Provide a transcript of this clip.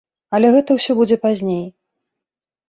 Але гэта ўсё будзе пазней.